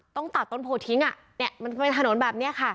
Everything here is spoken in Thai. ต้องตัดต้นโพลทิ้งอ่ะเนี่ยมันเป็นถนนแบบเนี่ยค่ะ